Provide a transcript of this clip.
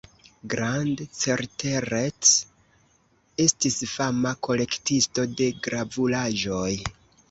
Grand-Carteret estis fama kolektisto de gravuraĵoj.